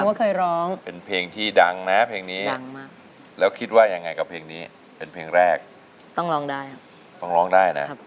โปรดติดตามตอนต่อไป